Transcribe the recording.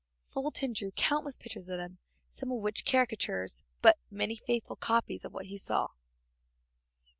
Fulton drew countless pictures of them, some of them caricatures, but many faithful copies of what he saw.